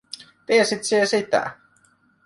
Tiesit sie sitä?"